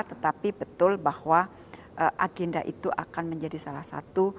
tetapi betul bahwa agenda itu akan menjadi salah satu